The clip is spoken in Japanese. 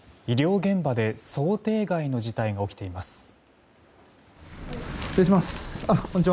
医療現場で想定外の事態が起きています。